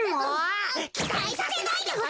きたいさせないでほしいわ！